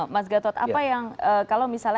mas gatot apa yang kalau misalnya katakanlah pemindahan ini